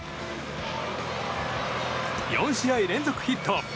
４試合連続ヒット。